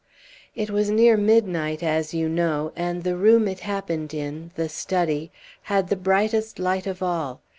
"It was near midnight, as you know, and the room it happened in the study had the brightest light of all.